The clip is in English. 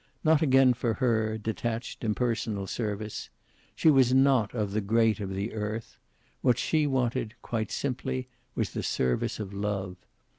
Not again, for her, detached, impersonal service. She was not of the great of the earth. What she wanted, quite simply, was the service of love.